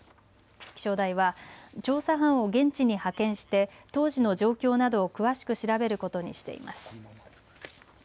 気象台は調査班を現地に派遣して当時の状況などを詳しく調べることにしています。